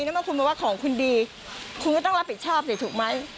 เมื่อคุณบอกว่าของคุณดีคุณก็ต้องรับผิดชอบสิถูกไหม